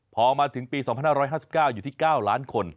พอมาถึงปี๒๕๕๙อยู่ที่๙ล้านคน